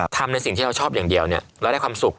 ทำในสิ่งที่เราชอบอย่างเดียวเราได้ความสุข